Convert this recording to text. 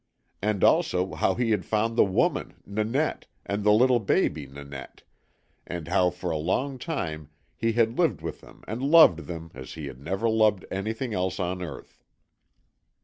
And also how he found the woman, Nanette, and the little baby Nanette, and how for a long time he had lived with them and loved them as he had never loved anything else on earth.